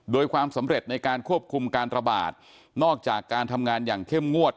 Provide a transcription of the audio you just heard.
โดยความสำเร็จในการควบคุมการระบาดนอกจากการทำงานอย่างเข้มงวด